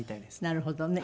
なるほどね。